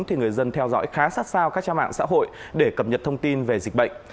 thì người dân theo dõi khá sát sao các trang mạng xã hội để cập nhật thông tin về dịch bệnh